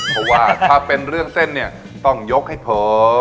เพราะว่าถ้าเป็นเรื่องเส้นเนี่ยต้องยกให้เผลอ